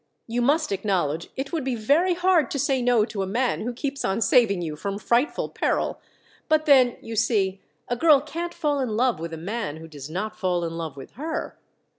You must acknowledge, it would be very hard to say no to a man who keeps on saving you from frightful peril; but then, you see, a girl can't fall in love with a man who does not fall in love with her.